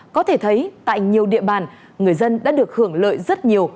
có thể thấy tại nhiều địa bàn người dân đã được hưởng lợi rất nhiều